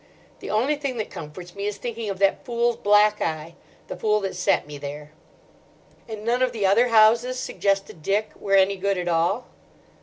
The only thing that comforts me is thinking of that fool's black eye—the fool that sent me there." "And none of the other houses," suggested Dick, "were any good at all?"